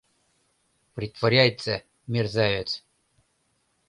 — Притворяется, мерзавец!